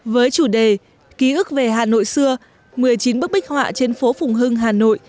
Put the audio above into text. với chủ đề ký ức về hà nội xưa một mươi chín bức bích họa trên phố phùng hưng hà nội